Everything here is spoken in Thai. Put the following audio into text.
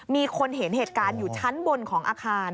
มีคนเห็นเหตุการณ์อยู่ชั้นบนของอาคาร